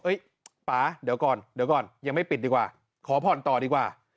ป๊าเดี๋ยวก่อนเดี๋ยวก่อนยังไม่ปิดดีกว่าขอผ่อนต่อดีกว่า